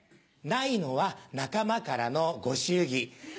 ないのは仲間からのご祝儀。